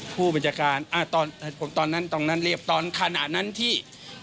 ผู้บัญชาการตอนนั้นตอนนั้นเรียบตอนขณะนั้นที่